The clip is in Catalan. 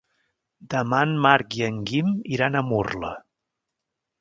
Demà en Marc i en Guim iran a Murla.